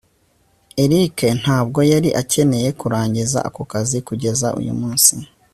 eric ntabwo yari akeneye kurangiza ako kazi kugeza uyu munsi